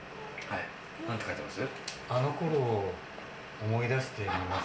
何て書いてあります？